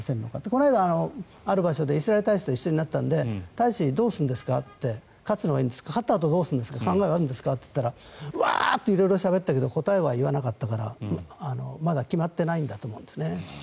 この前、ある場所でイスラエル大使と一緒になったので大使、どうするんですか勝つのはいいけど勝ったあとどうするんですかって考えはあるんですかと言ったら色々しゃべったけど答えは言わなかったからまだ決まってないんだと思うんですね。